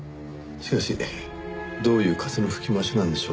しかしどういう風の吹き回しなんでしょうね。